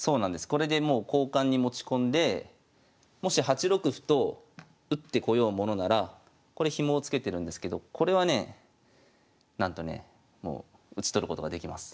これでもう交換に持ち込んでもし８六歩と打ってこようものならこれヒモをつけてるんですけどこれはねえなんとねえもう打ち取ることができます